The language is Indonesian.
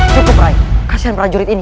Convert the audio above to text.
cukup rai kasian prajurit ini